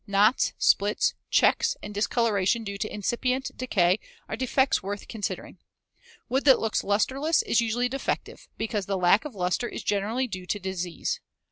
Knots, splits, checks, and discoloration due to incipient decay are defects worth considering. Wood that looks lusterless is usually defective, because the lack of luster is generally due to disease.